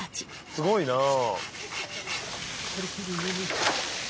すごいなあ。